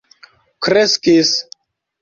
kreskis